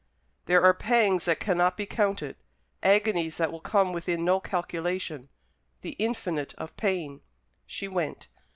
There are pangs that cannot be counted, agonies that will come within no calculation the infinite of pain. She went.